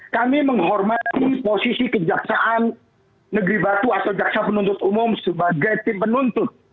kami menghormati posisi kejaksaan negeri batu atau jaksa penuntut umum sebagai tim penuntut